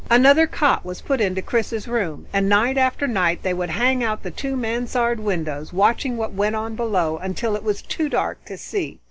Another cot was put into Chris's room, and night after night they would hang out the two mansard windows, watching what went on below until it was too dark to see.